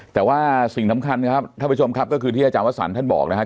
แต่ว่าสิ่งสำคัญครับท่านผู้ชมครับก็คือที่อาจารย์วสันท่านบอกนะครับ